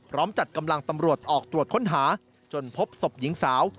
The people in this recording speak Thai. จัดกำลังตำรวจออกตรวจค้นหาจนพบศพหญิงสาว